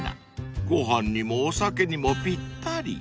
［ご飯にもお酒にもぴったり］